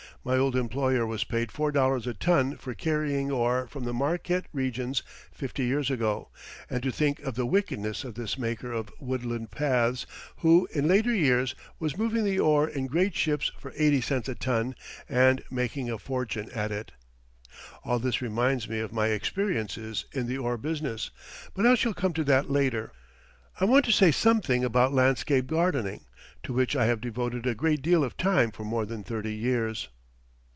My old employer was paid $4 a ton for carrying ore from the Marquette regions fifty years ago, and to think of the wickedness of this maker of woodland paths, who in later years was moving the ore in great ships for eighty cents a ton and making a fortune at it. All this reminds me of my experiences in the ore business, but I shall come to that later. I want to say something about landscape gardening, to which I have devoted a great deal of time for more than thirty years.